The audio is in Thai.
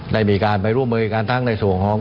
ได้มีการไปร่วมมือกันทั้งในส่วนของ